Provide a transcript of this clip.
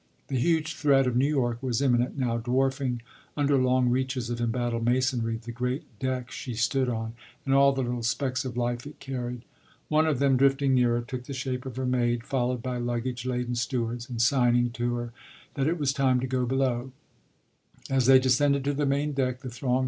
The huge threat of New York was imminent now, dwarfing, under long reaches of embattled masonry, the great deck she stood on and all the little specks of life it carried. One of them, drifting nearer, took the shape of her maid, followed by luggage laden stewards, and signing to her that it was time to go below.